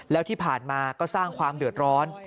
แล้วที่ผ่านมาก็สร้างความเดือดร้อน